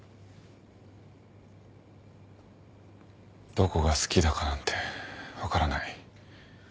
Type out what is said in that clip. どこが好きだかなんて分からない。